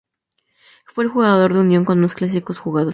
Fue el Jugador de Unión con más clásicos jugados.